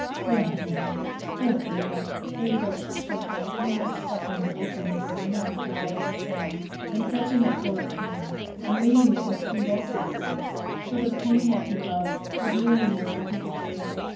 'They'll hang him. Oh, feyther! feyther!' she choked out, almost stuffing her apron into her mouth to deaden the sound, and catching at Philip's hand, and wringing it with convulsive force, till the pain that he loved was nearly more than he could bear.